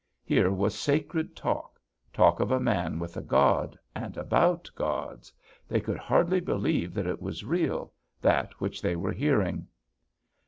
Here was sacred talk; talk of a man with a god, and about gods: they could hardly believe that it was real, that which they were hearing.